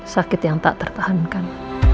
sakit yang tak tertahankan